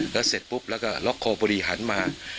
แล้วเสร็จปุ๊บล็อกคอพอดีหันมา